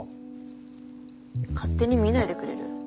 勝手に見ないでくれる？